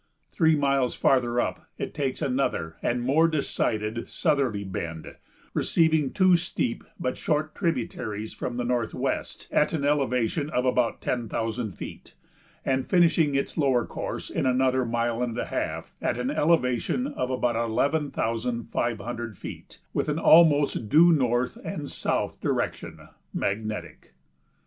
Three miles farther up it takes another and more decided southerly bend, receiving two steep but short tributaries from the northwest at an elevation of about ten thousand feet, and finishing its lower course in another mile and a half, at an elevation of about eleven thousand five hundred feet, with an almost due north and south direction (magnetic).